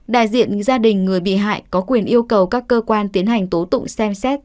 đại diện gia đình người bị hại có quyền yêu cầu các cơ quan tiến hành tố tụng xem xét